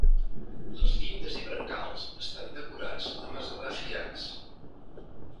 Les llindes i brancals estan decorats amb esgrafiats.